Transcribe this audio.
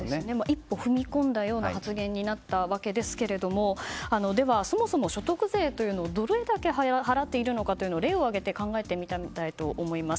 一歩踏み込んだような発言になったわけですがでは、そもそも所得税はどれだけ払っているのか例を挙げて考えてみたいと思います。